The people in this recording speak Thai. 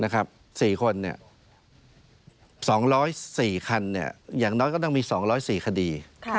๔คนเนี่ย๒๐๔คันเนี่ยอย่างน้อยก็ต้องมี๒๐๔คดี